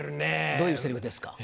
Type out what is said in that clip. どういうセリフですか？